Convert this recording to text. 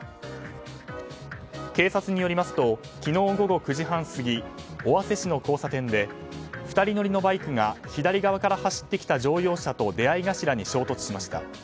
警察によりますと昨日午後９時半過ぎ尾鷲市の交差点で２人乗りのバイクが左側から走ってきた乗用車と出合い頭に衝突しました。